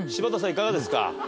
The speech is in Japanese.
いかがですか？